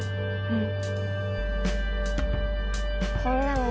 うん。